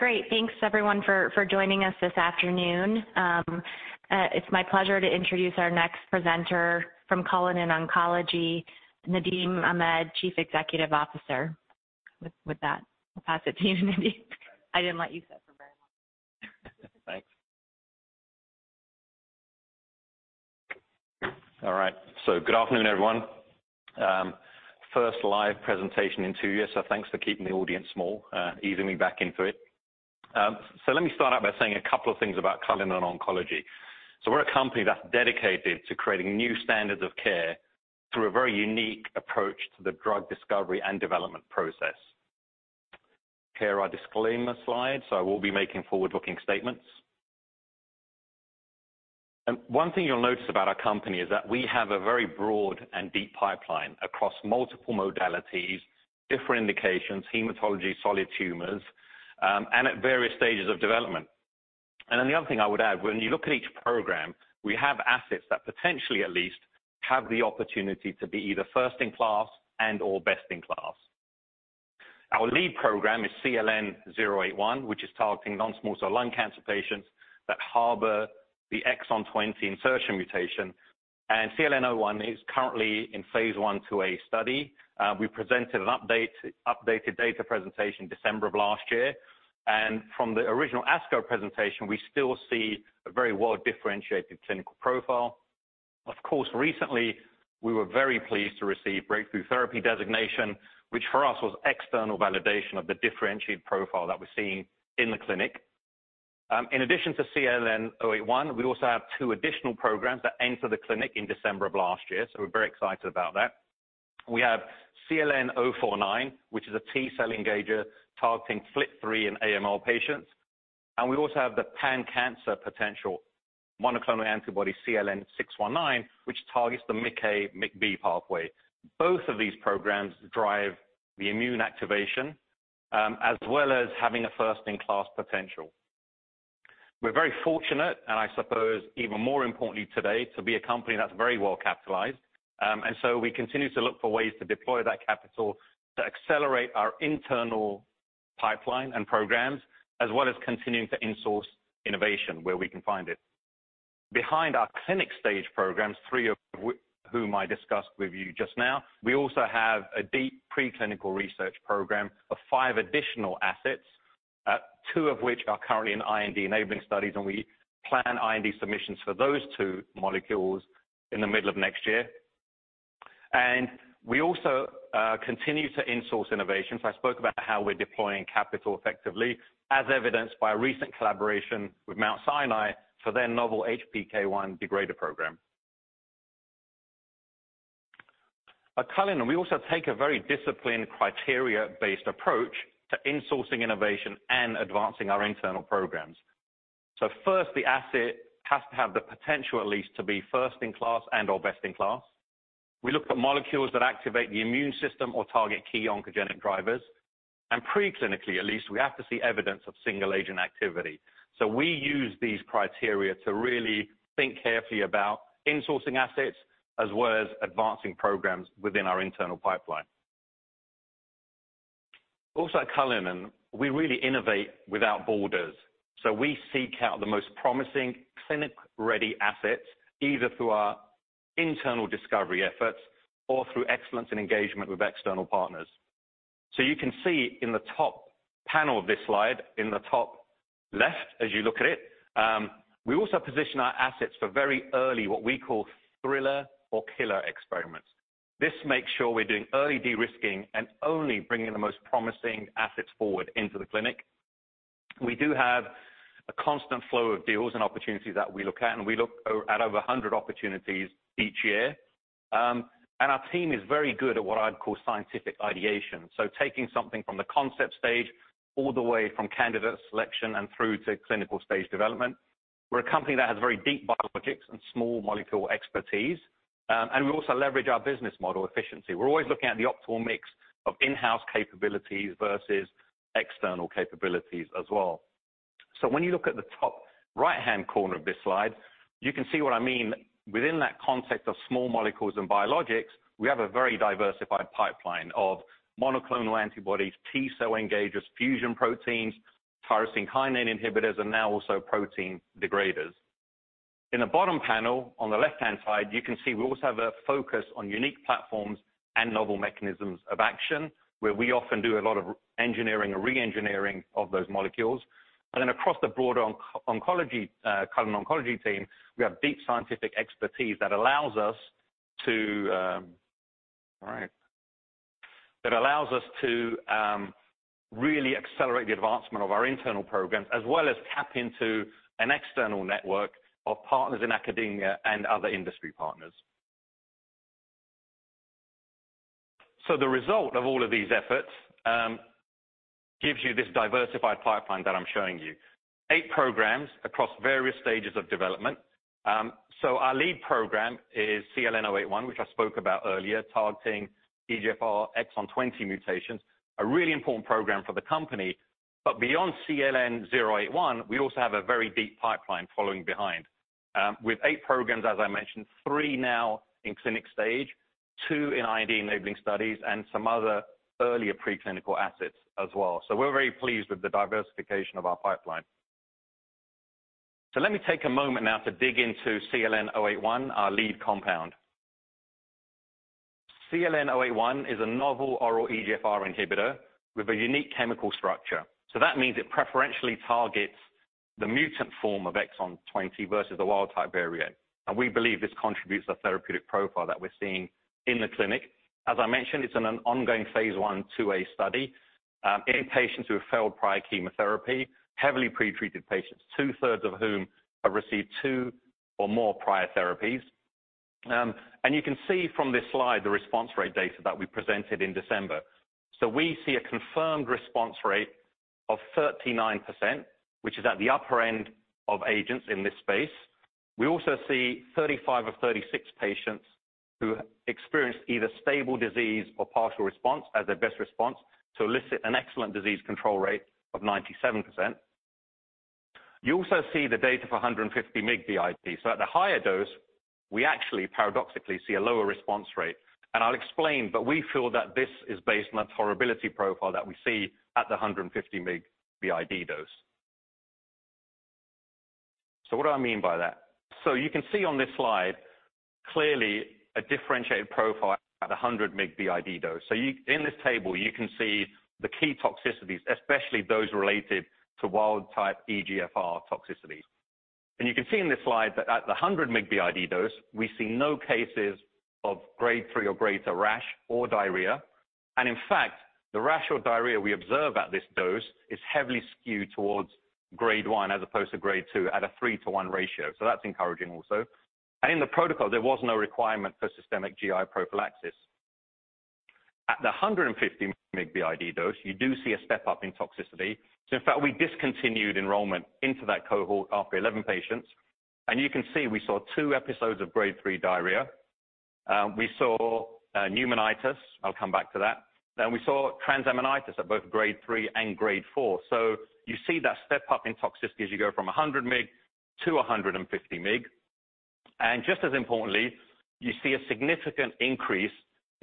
Great. Thanks everyone for joining us this afternoon. It's my pleasure to introduce our next presenter from Cullinan Therapeutics, Nadim Ahmed, Chief Executive Officer. With that, I'll pass it to you, Nadim. I didn't let you sit for very long. Thanks. All right. Good afternoon, everyone. First live presentation in two years, so thanks for keeping the audience small, easing me back into it. Let me start out by saying a couple of things about Cullinan Oncology. We're a company that's dedicated to creating new standards of care through a very unique approach to the drug discovery and development process. Here are our disclaimer slide, so we'll be making forward-looking statements. One thing you'll notice about our company is that we have a very broad and deep pipeline across multiple modalities, different indications, hematology, solid tumors, and at various stages of development. Then the other thing I would add, when you look at each program, we have assets that potentially at least have the opportunity to be either first in class and/or best in class. Our lead program is CLN-081, which is targeting non-small cell lung cancer patients that harbor the exon 20 insertion mutation, and CLN-081 is currently in phase I/IIa study. We presented an update, updated data presentation December of last year. From the original ASCO presentation, we still see a very well-differentiated clinical profile. Of course, recently, we were very pleased to receive breakthrough therapy designation, which for us was external validation of the differentiated profile that we're seeing in the clinic. In addition to CLN-081, we also have two additional programs that entered the clinic in December of last year, so we're very excited about that. We have CLN-049, which is a T-cell engager targeting FLT3 in AML patients. We also have the pan-cancer potential monoclonal antibody CLN-619, which targets the MICA, MICB pathway. Both of these programs drive the immune activation, as well as having a first-in-class potential. We're very fortunate, and I suppose even more importantly today, to be a company that's very well capitalized. We continue to look for ways to deploy that capital to accelerate our internal pipeline and programs, as well as continuing to in-source innovation where we can find it. Behind our clinical stage programs, three of whom I discussed with you just now, we also have a deep pre-clinical research program of five additional assets, two of which are currently in IND-enabling studies, and we plan IND submissions for those two molecules in the middle of next year. We also continue to in-source innovation. I spoke about how we're deploying capital effectively, as evidenced by a recent collaboration with Mount Sinai for their novel HPK1 degrader program. At Cullinan, we also take a very disciplined criteria-based approach to in-sourcing innovation and advancing our internal programs. First, the asset has to have the potential at least to be first in class and or best in class. We look for molecules that activate the immune system or target key oncogenic drivers. Pre-clinically, at least, we have to see evidence of single agent activity. We use these criteria to really think carefully about in-sourcing assets as well as advancing programs within our internal pipeline. Also at Cullinan, we really innovate without borders. We seek out the most promising clinic-ready assets, either through our internal discovery efforts or through excellence in engagement with external partners. You can see in the top panel of this slide, in the top left, as you look at it, we also position our assets for very early, what we call thriller or killer experiments. This makes sure we're doing early de-risking and only bringing the most promising assets forward into the clinic. We do have a constant flow of deals and opportunities that we look at, and we look at over 100 opportunities each year. Our team is very good at what I'd call scientific ideation, taking something from the concept stage all the way from candidate selection and through to clinical stage development. We're a company that has very deep biologics and small molecule expertise. We also leverage our business model efficiency. We're always looking at the optimal mix of in-house capabilities versus external capabilities as well. When you look at the top right-hand corner of this slide, you can see what I mean within that context of small molecules and biologics, we have a very diversified pipeline of monoclonal antibodies, T-cell engagers, fusion proteins, tyrosine kinase inhibitors, and now also protein degraders. In the bottom panel, on the left-hand side, you can see we also have a focus on unique platforms and novel mechanisms of action, where we often do a lot of engineering or re-engineering of those molecules. Across the broader oncology, Cullinan Oncology team, we have deep scientific expertise that allows us to really accelerate the advancement of our internal programs, as well as tap into an external network of partners in academia and other industry partners. The result of all of these efforts gives you this diversified pipeline that I'm showing you. 8 programs across various stages of development. Our lead program is CLN-081, which I spoke about earlier, targeting EGFR exon 20 mutations, a really important program for the company. Beyond CLN-081, we also have a very deep pipeline following behind, with 8 programs, as I mentioned, 3 now in clinical stage. 2 in IND-enabling studies and some other earlier preclinical assets as well. We're very pleased with the diversification of our pipeline. Let me take a moment now to dig into CLN-081, our lead compound. CLN-081 is a novel oral EGFR inhibitor with a unique chemical structure. That means it preferentially targets the mutant form of exon 20 versus the wild type variant. We believe this contributes to the therapeutic profile that we're seeing in the clinic. As I mentioned, it's in an ongoing phase I/IIa study in patients who have failed prior chemotherapy, heavily pre-treated patients, two-thirds of whom have received two or more prior therapies. You can see from this slide the response rate data that we presented in December. We see a confirmed response rate of 39%, which is at the upper end of agents in this space. We also see 35 of 36 patients who experienced either stable disease or partial response as their best response to elicit an excellent disease control rate of 97%. You also see the data for 150 mg BID. At the higher dose, we actually paradoxically see a lower response rate. I'll explain, but we feel that this is based on that tolerability profile that we see at the 150 mg BID dose. What do I mean by that? You can see on this slide, clearly a differentiated profile at a 100 mg BID dose. In this table, you can see the key toxicities, especially those related to wild type EGFR toxicities. You can see in this slide that at the 100 mg BID dose, we see no cases of grade 3 or greater rash or diarrhea. In fact, the rash or diarrhea we observe at this dose is heavily skewed towards grade 1 as opposed to grade 2 at a 3-to-1 ratio. That's encouraging also. In the protocol, there was no requirement for systemic GI prophylaxis. At the 150 mg BID dose, you do see a step-up in toxicity. In fact, we discontinued enrollment into that cohort after 11 patients. You can see we saw two episodes of grade three diarrhea. We saw pneumonitis. I'll come back to that. We saw transaminitis at both grade three and grade four. You see that step up in toxicity as you go from 100 mg to 150 mg. Just as importantly, you see a significant increase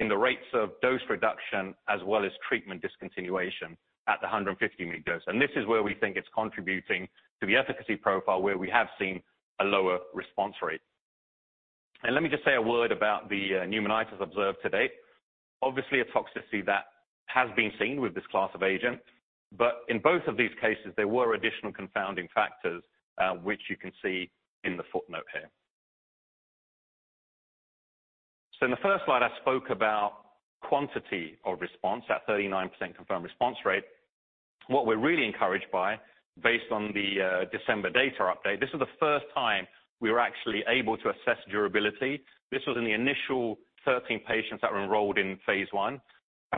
in the rates of dose reduction as well as treatment discontinuation at the 150 mg dose. This is where we think it's contributing to the efficacy profile where we have seen a lower response rate. Let me just say a word about the pneumonitis observed to date. Obviously, a toxicity that has been seen with this class of agent. In both of these cases, there were additional confounding factors, which you can see in the footnote here. In the first slide, I spoke about quantity of response, that 39% confirmed response rate. What we're really encouraged by based on the December data update, this is the first time we were actually able to assess durability. This was in the initial 13 patients that were enrolled in phase I.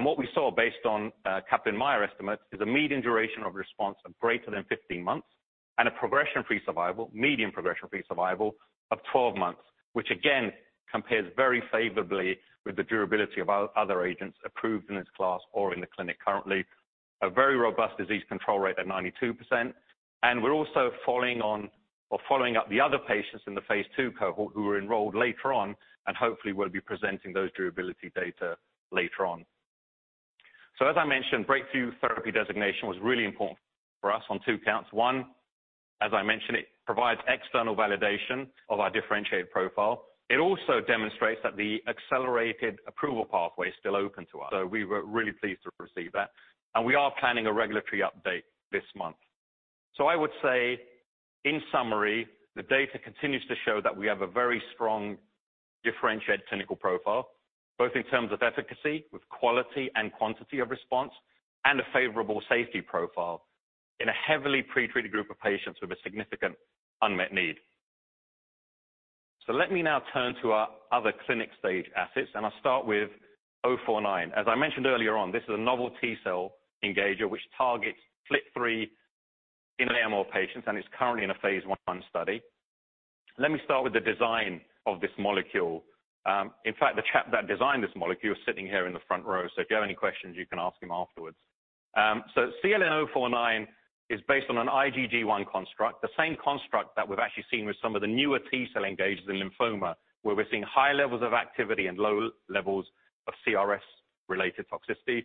What we saw based on Kaplan-Meier estimates is a median duration of response of greater than 15 months and a progression-free survival, median progression-free survival of 12 months, which again compares very favorably with the durability of other agents approved in this class or in the clinic currently. A very robust disease control rate at 92%. We're also following on or following up the other patients in the phase II cohort who were enrolled later on, and hopefully we'll be presenting those durability data later on. As I mentioned, breakthrough therapy designation was really important for us on two counts. One, as I mentioned, it provides external validation of our differentiated profile. It also demonstrates that the accelerated approval pathway is still open to us. We were really pleased to receive that. We are planning a regulatory update this month. I would say in summary, the data continues to show that we have a very strong differentiated clinical profile, both in terms of efficacy with quality and quantity of response and a favorable safety profile in a heavily pre-treated group of patients with a significant unmet need. Let me now turn to our other clinical stage assets, and I'll start with CLN-049. As I mentioned earlier on, this is a novel T-cell engager which targets FLT3 in AML patients, and it's currently in a phase I study. Let me start with the design of this molecule. In fact, the chap that designed this molecule is sitting here in the front row. If you have any questions, you can ask him afterwards. CLN-049 is based on an IgG1 construct, the same construct that we've actually seen with some of the newer T-cell engagers in lymphoma, where we're seeing high levels of activity and low levels of CRS-related toxicity.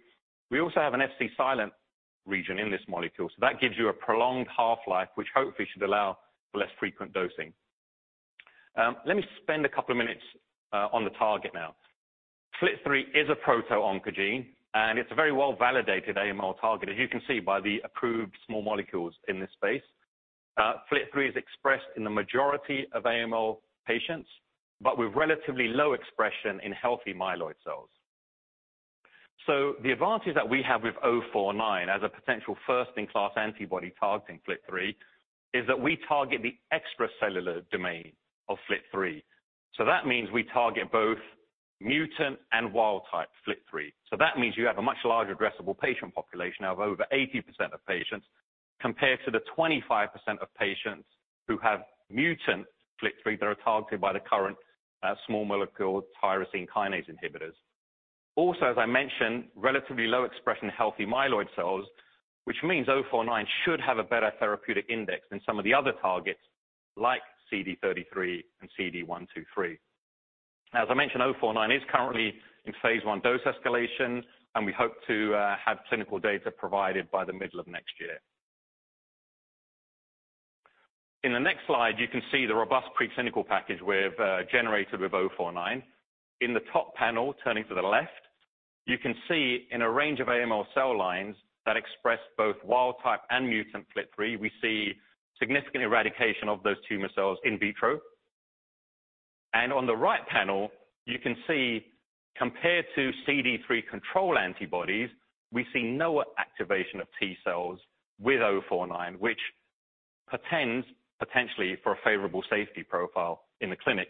We also have an Fc silent region in this molecule, so that gives you a prolonged half-life, which hopefully should allow for less frequent dosing. Let me spend a couple of minutes on the target now. FLT3 is a proto-oncogene, and it's a very well-validated AML target, as you can see by the approved small molecules in this space. FLT3 is expressed in the majority of AML patients, but with relatively low expression in healthy myeloid cells. The advantage that we have with 049 as a potential first-in-class antibody targeting FLT3 is that we target the extracellular domain of FLT3. That means we target both mutant and wild type FLT3. That means you have a much larger addressable patient population of over 80% of patients compared to the 25% of patients who have mutant FLT3 that are targeted by the current, small molecule tyrosine kinase inhibitors. Also, as I mentioned, relatively low expression healthy myeloid cells, which means CLN-049 should have a better therapeutic index than some of the other targets like CD33 and CD123. As I mentioned, CLN-049 is currently in phase I dose escalation, and we hope to have clinical data provided by the middle of next year. In the next slide, you can see the robust preclinical package we have generated with CLN-049. In the top panel, turning to the left, you can see in a range of AML cell lines that express both wild type and mutant FLT3, we see significant eradication of those tumor cells in vitro. On the right panel, you can see compared to CD3 control antibodies, we see no activation of T cells with 049, which portends potentially for a favorable safety profile in the clinic.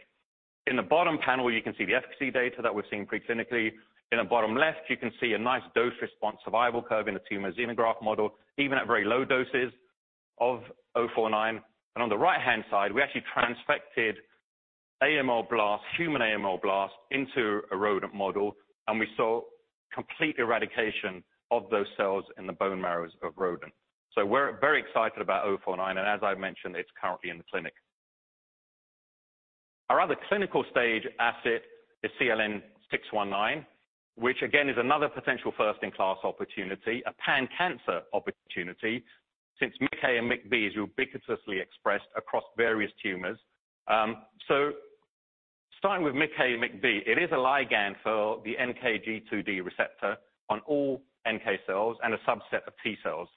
In the bottom panel, you can see the efficacy data that we're seeing preclinically. In the bottom left, you can see a nice dose response survival curve in the tumor xenograft model, even at very low doses of 049. On the right-hand side, we actually transfected AML blast, human AML blast into a rodent model, and we saw complete eradication of those cells in the bone marrows of rodent. We're very excited about CLN-049, and as I mentioned, it's currently in the clinic. Our other clinical stage asset is CLN-619, which again is another potential first-in-class opportunity, a pan-cancer opportunity since MIC-A and MIC-B is ubiquitously expressed across various tumors. Starting with MIC-A and MIC-B, it is a ligand for the NKG2D receptor on all NK cells and a subset of T cells.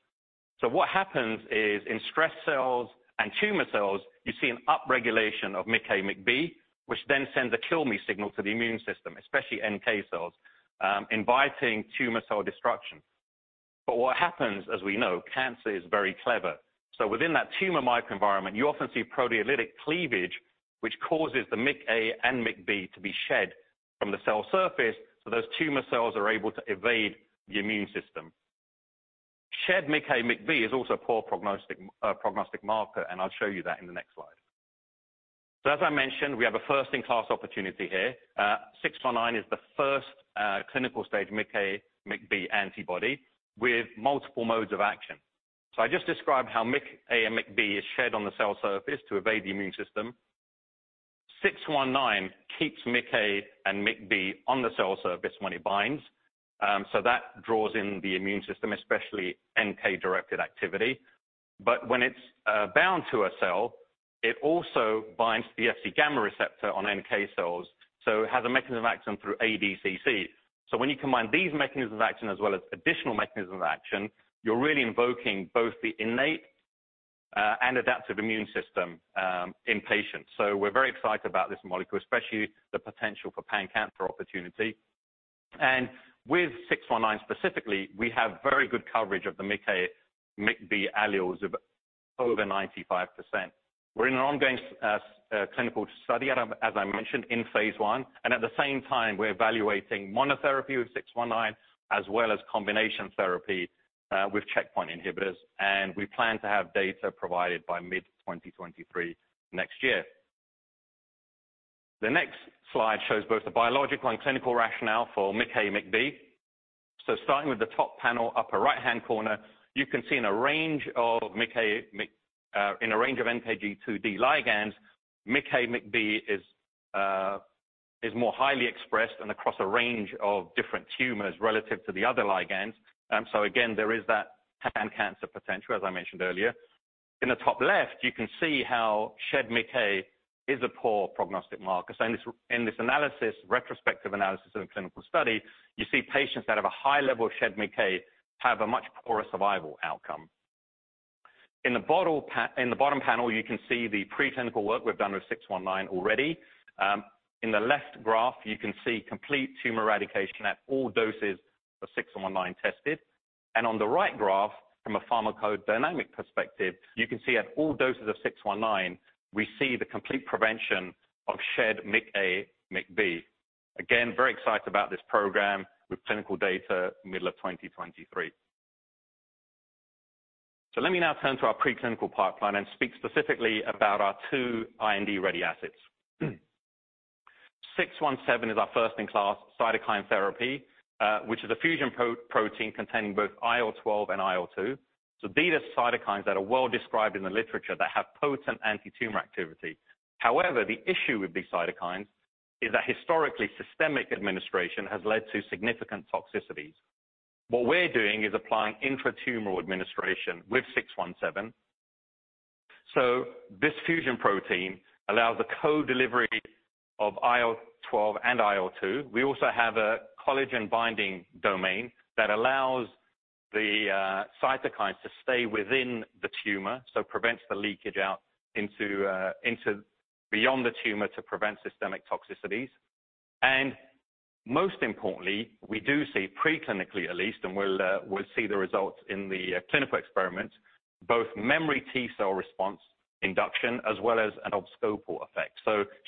What happens is in stressed cells and tumor cells, you see an upregulation of MIC-A, MIC-B, which then sends a kill me signal to the immune system, especially NK cells, inviting tumor cell destruction. What happens, as we know, cancer is very clever. Within that tumor microenvironment, you often see proteolytic cleavage, which causes the MIC-A and MIC-B to be shed from the cell surface, so those tumor cells are able to evade the immune system. Shed MIC-A, MIC-B is also a poor prognostic marker, and I'll show you that in the next slide. As I mentioned, we have a first in class opportunity here. CLN-619 is the first clinical stage MIC-A, MIC-B antibody with multiple modes of action. I just described how MIC-A and MIC-B is shed on the cell surface to evade the immune system. CLN-619 keeps MIC-A and MIC-B on the cell surface when it binds. That draws in the immune system, especially NK-directed activity. When it's bound to a cell, it also binds to the Fc gamma receptor on NK cells. It has a mechanism of action through ADCC. When you combine these mechanisms of action as well as additional mechanisms of action, you're really invoking both the innate and adaptive immune system in patients. We're very excited about this molecule, especially the potential for pan-cancer opportunity. With CLN-619 specifically, we have very good coverage of the MIC-A, MIC-B alleles of over 95%. We're in an ongoing clinical study, as I mentioned, in phase I. At the same time, we're evaluating monotherapy with CLN-619 as well as combination therapy with checkpoint inhibitors. We plan to have data provided by mid-2023 next year. The next slide shows both the biological and clinical rationale for MIC-A, MIC-B. Starting with the top panel, upper right-hand corner, you can see in a range of NKG2D ligands, MIC-A, MIC-B is more highly expressed and across a range of different tumors relative to the other ligands. Again, there is that pan-cancer potential, as I mentioned earlier. In the top left, you can see how shed MIC-A is a poor prognostic marker. In this retrospective analysis of a clinical study, you see patients that have a high level of shed MIC-A have a much poorer survival outcome. In the bottom panel, you can see the preclinical work we've done with CLN-619 already. In the left graph, you can see complete tumor eradication at all doses of CLN-619 tested. On the right graph, from a pharmacodynamic perspective, you can see at all doses of CLN-619, we see the complete prevention of shed MIC-A, MIC-B. Again, very excited about this program with clinical data middle of 2023. Let me now turn to our preclinical pipeline and speak specifically about our two IND-ready assets. CLN-617 is our first-in-class cytokine therapy, which is a fusion protein containing both IL-12 and IL-2. These are cytokines that are well-described in the literature that have potent antitumor activity. However, the issue with these cytokines is that historically, systemic administration has led to significant toxicities. What we're doing is applying intratumoral administration with CLN-617. This fusion protein allows the co-delivery of IL-12 and IL-2. We also have a collagen-binding domain that allows the cytokines to stay within the tumor, so prevents the leakage out into beyond the tumor to prevent systemic toxicities. Most importantly, we do see preclinically at least, and we'll see the results in the clinical experiments, both memory T-cell response induction as well as an abscopal effect,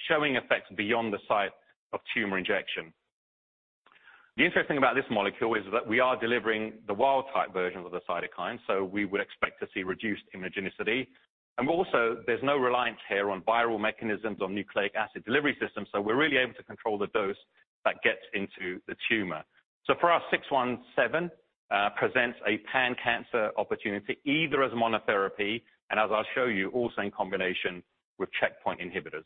showing effects beyond the site of tumor injection. What's interesting about this molecule is that we are delivering the wild type version of the cytokine, so we would expect to see reduced immunogenicity. Also, there's no reliance here on viral mechanisms on nucleic acid delivery systems, so we're really able to control the dose that gets into the tumor. For our CLN-617 presents a pan-cancer opportunity, either as monotherapy or as I'll show you also in combination with checkpoint inhibitors.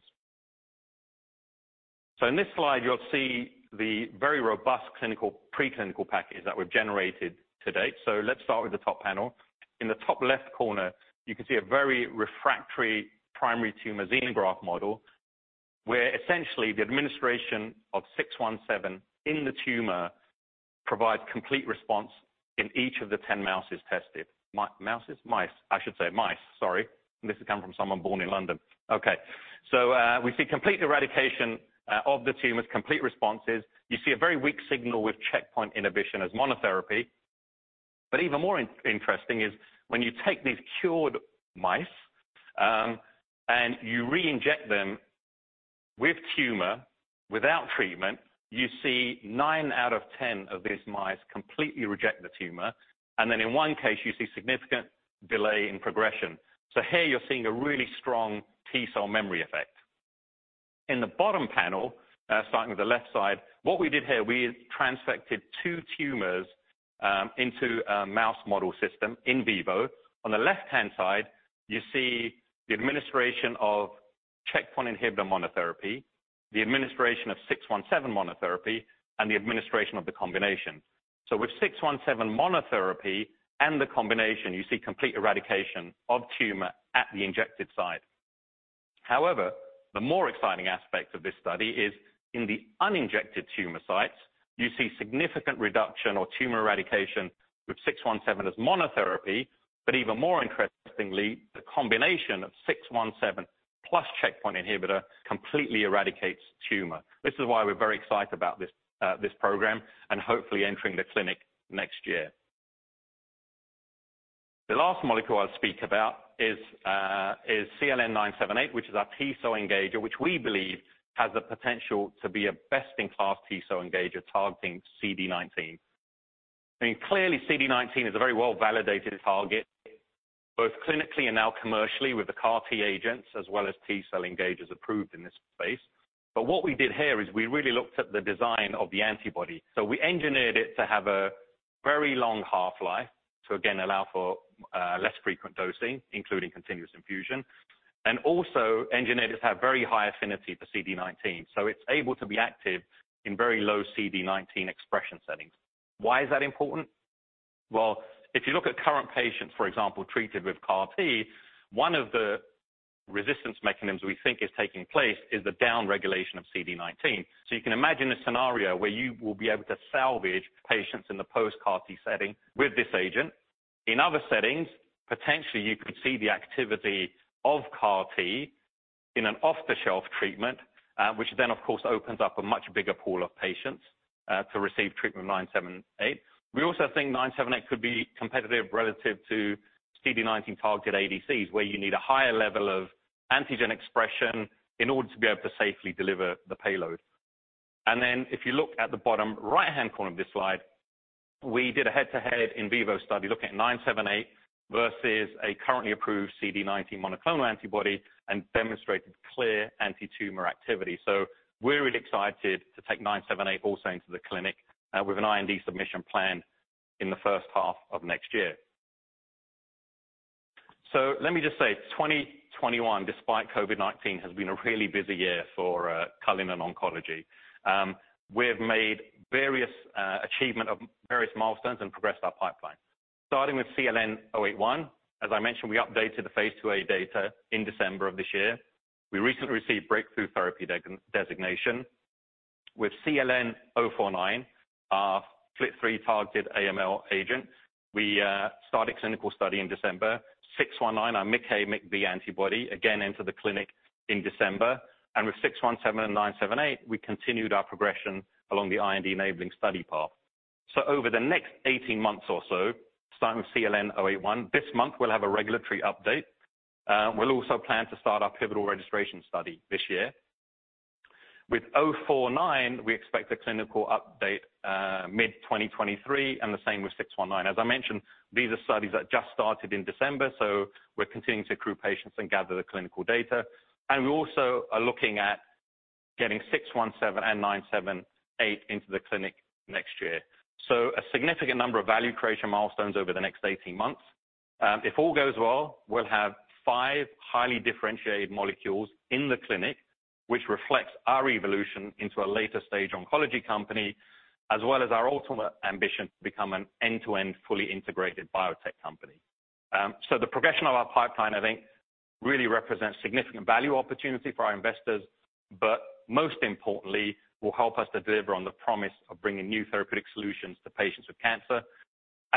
In this slide you'll see the very robust preclinical package that we've generated to date. Let's start with the top panel. In the top left corner, you can see a very refractory primary tumor xenograft model, where essentially the administration of CLN-617 in the tumor provides complete response in each of the 10 mice tested. Sorry. This has come from someone born in London. Okay. We see complete eradication of the tumors, complete responses. You see a very weak signal with checkpoint inhibition as monotherapy. But even more interesting is when you take these cured mice and you reinject them with tumor without treatment, you see nine out of 10 of these mice completely reject the tumor. Then in one case, you see significant delay in progression. Here you're seeing a really strong T-cell memory effect. In the bottom panel, starting with the left side, what we did here, we transfected two tumors into a mouse model system in vivo. On the left-hand side, you see the administration of checkpoint inhibitor monotherapy, the administration of CLN-617 monotherapy, and the administration of the combination. With CLN-617 monotherapy and the combination, you see complete eradication of tumor at the injected site. However, the more exciting aspect of this study is in the uninjected tumor sites, you see significant reduction or tumor eradication with CLN-617 as monotherapy. Even more interestingly, the combination of CLN-617 plus checkpoint inhibitor completely eradicates tumor. This is why we're very excited about this program and hopefully entering the clinic next year. The last molecule I'll speak about is CLN-978, which is our T-cell engager, which we believe has the potential to be a best-in-class T-cell engager targeting CD19. I mean, clearly CD19 is a very well-validated target, both clinically and now commercially with the CAR-T agents as well as T-cell engagers approved in this space. What we did here is we really looked at the design of the antibody. We engineered it to have a very long half-life, to again allow for less frequent dosing, including continuous infusion. Also engineered it to have very high affinity for CD19, so it's able to be active in very low CD19 expression settings. Why is that important? Well, if you look at current patients, for example, treated with CAR-T, one of the resistance mechanisms we think is taking place is the downregulation of CD19. You can imagine a scenario where you will be able to salvage patients in the post-CAR-T setting with this agent. In other settings, potentially you could see the activity of CAR-T in an off-the-shelf treatment, which then of course opens up a much bigger pool of patients to receive treatment CLN-978. We also think CLN-978 could be competitive relative to CD19 targeted ADCs, where you need a higher level of antigen expression in order to be able to safely deliver the payload. If you look at the bottom right-hand corner of this slide, we did a head-to-head in vivo study looking at CLN-978 versus a currently approved CD19 monoclonal antibody and demonstrated clear antitumor activity. We're really excited to take CLN-978 also into the clinic with an IND submission plan in the first half of next year. Let me just say, 2021, despite COVID-19, has been a really busy year for Cullinan Therapeutics. We have made various achievement of various milestones and progressed our pipeline. Starting with CLN-081, as I mentioned, we updated the phase IIa data in December of this year. We recently received breakthrough therapy designation. With CLN-049, our FLT3-targeted AML agent, we started clinical study in December. CLN-619, our MICA, MICB antibody, again, entered the clinic in December. With CLN-617 and CLN-978, we continued our progression along the IND-enabling study path. Over the next 18 months or so, starting with CLN-081, this month we'll have a regulatory update. We'll also plan to start our pivotal registration study this year. With CLN-049, we expect a clinical update mid-2023, and the same with CLN-619. As I mentioned, these are studies that just started in December, so we're continuing to accrue patients and gather the clinical data. We also are looking at getting CLN-617 and CLN-978 into the clinic next year. A significant number of value creation milestones over the next 18 months. If all goes well, we'll have five highly differentiated molecules in the clinic, which reflects our evolution into a later-stage oncology company, as well as our ultimate ambition to become an end-to-end fully integrated biotech company. The progression of our pipeline, I think, really represents significant value opportunity for our investors, but most importantly, will help us to deliver on the promise of bringing new therapeutic solutions to patients with cancer.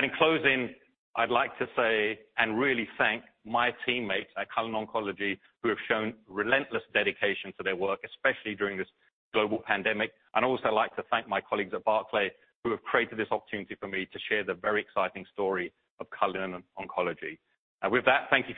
In closing, I'd like to say and really thank my teammates at Cullinan Therapeutics who have shown relentless dedication to their work, especially during this global pandemic. I'd also like to thank my colleagues at Barclays who have created this opportunity for me to share the very exciting story of Cullinan Therapeutics. With that, thank you.